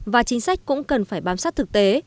và chính sách cũng cần phải bám sát thực tế